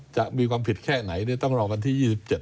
จะมีความผิดแค่ไหนเนี่ยตั้งต่อวันที่๒๗